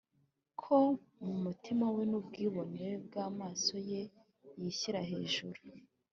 ko mu mutima we n ubwibone bw amaso ye yishyira hejuru